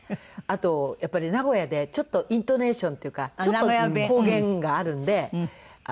あとやっぱり名古屋でちょっとイントネーションっていうかちょっと方言があるんで。